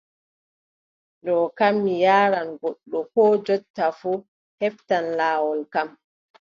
Ɗo kam mi yaaran goɗɗo koo jonta fuu, heɓtan laawol kam.